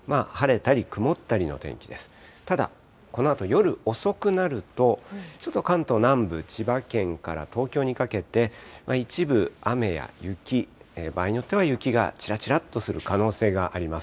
ただこのあと夜遅くなると、ちょっと関東南部、千葉県から東京にかけて、一部雨や雪、場合によっては、雪がちらちらっとする可能性があります。